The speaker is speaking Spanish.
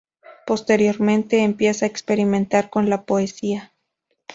Posteriormente, empieza a experimentar con la poesía.